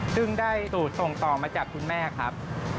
ซึ่งได้ส่งต่อมาจากคุณแม่ครับ